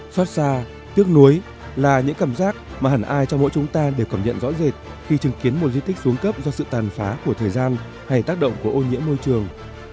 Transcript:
xót xa tiếc nuối là những cảm giác mà hẳn ai trong mỗi chúng ta đều cảm nhận rõ rệt khi chứng kiến một di tích xuống cấp do sự tàn phá của thời gian hay tác động của ô nhiễm môi trường